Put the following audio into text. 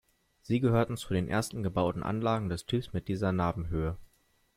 Sie gehörten zu den ersten gebauten Anlagen des Typs mit dieser Nabenhöhe.